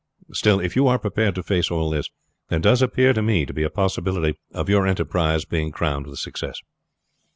Still, if you are prepared to face all this, there does appear to me to be a possibility of your enterprise being crowned with success."